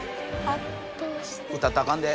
・歌ったらあかんで！